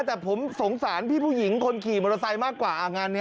แต่ผมสงสารพี่ผู้หญิงคนขี่มอเตอร์ไซค์มากกว่างานนี้